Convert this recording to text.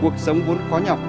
cuộc sống vốn khó nhọc